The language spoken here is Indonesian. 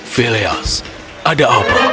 phileas ada apa